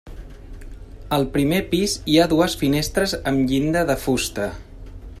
Al primer pis hi ha dues finestres amb llinda de fusta.